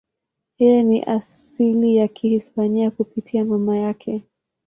Yeye ni wa asili ya Kihispania kupitia mama yake.